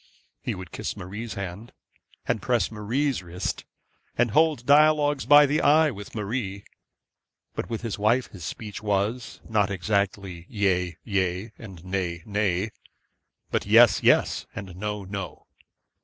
He would kiss Marie's hand, and press Marie's wrist, and hold dialogues by the eye with Marie. But with his wife his speech was, not exactly yea, yea, and nay, nay, but yes, yes, and no, no.